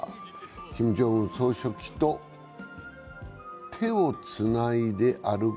キム・ジョンウン書記と手をつないで歩く